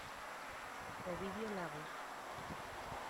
Ovidio Lagos.